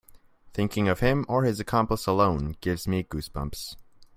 Thinking of him or his accomplice alone gives me goose bumps.